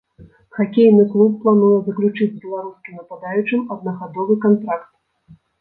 Хакейны клуб плануе заключыць з беларускім нападаючым аднагадовы кантракт.